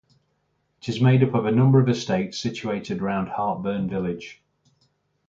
It is made up of a number of estates situated around Hartburn Village.